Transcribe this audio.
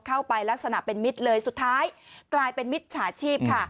ลักษณะเป็นมิตรเลยสุดท้ายกลายเป็นมิจฉาชีพค่ะ